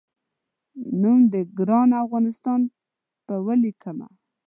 نوم د ګران افغانستان په ولیکمه